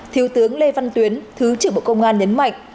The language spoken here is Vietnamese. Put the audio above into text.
thiếu tướng lê văn tuyến thứ trưởng bộ công an nhấn mạnh